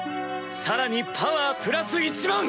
さらにパワープラス１００００！